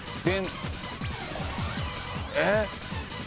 えっ？